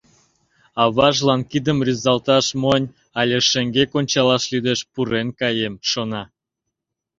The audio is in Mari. Аважлан кидым рӱзалташ монь але шеҥгек ончалаш лӱдеш — пурен каем, шона.